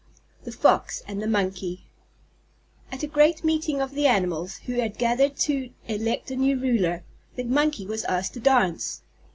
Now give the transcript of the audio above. _ THE FOX AND THE MONKEY At a great meeting of the Animals, who had gathered to elect a new ruler, the Monkey was asked to dance.